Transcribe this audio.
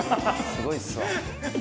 すごいっすわ。